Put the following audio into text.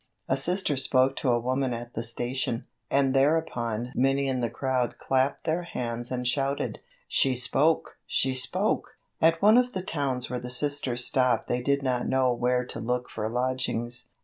A Sister spoke to a woman at the station, and thereupon many in the crowd clapped their hands and shouted: 'She spoke! she spoke!' At one of the towns where the Sisters stopped they did not know where to look for lodgings.